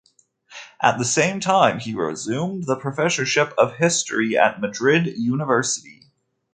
At the same time he resumed the professorship of history at the Madrid University.